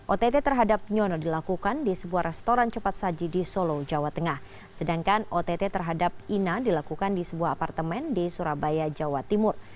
ott terhadap nyono dilakukan di sebuah restoran cepat saji di solo jawa tengah sedangkan ott terhadap ina dilakukan di sebuah apartemen di surabaya jawa timur